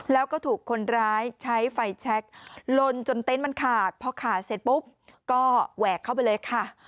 แล้วก็ถูกคนร้ายใช้ไฟแชคลนจนเต็นต์มันขาดพอขาดเสร็จปุ๊บก็แหวกเข้าไปเลยค่ะ